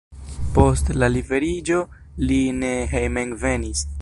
Post la liberiĝo li ne hejmenvenis.